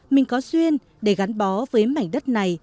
mình có duyên để gắn bó với mảnh đất này